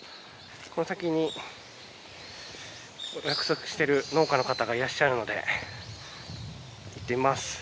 この先に約束してる農家の方がいらっしゃるので行ってみます。